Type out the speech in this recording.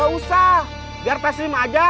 ya udah kita pulang dulu aja